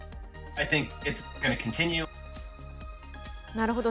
なるほど。